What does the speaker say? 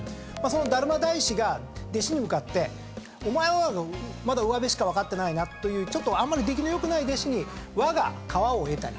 その達磨大師が弟子に向かってお前はまだうわべしか分かってないなというあんまり出来の良くない弟子に我が皮を得たり。